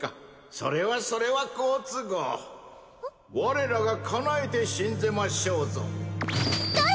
それはそれは好都合我らが叶えてしんぜましょうぞ誰！？